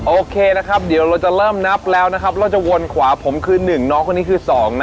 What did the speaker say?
โอเคนะครับเดี๋ยวเราจะเริ่มนับแล้วนะครับเราจะวนขวาผมคือ๑น้องคนนี้คือ๒นะ